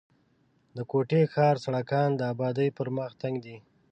د کوټي ښار سړکان د آبادۍ پر مخ تنګ دي.